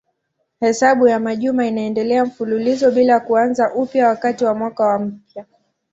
Hesabu ya majuma inaendelea mfululizo bila ya kuanza upya wakati wa mwaka mpya.